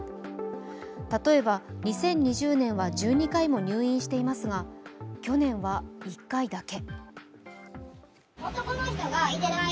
例えば２０２０年は１２回も入院していますが去年は１回だけ。